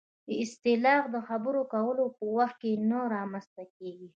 اصطلاح د خبرو کولو په وخت کې نه رامنځته کېږي